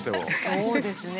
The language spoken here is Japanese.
そうですね。